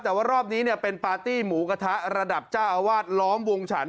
แต่ว่ารอบนี้เป็นปาร์ตี้หมูกระทะระดับเจ้าอาวาสล้อมวงฉัน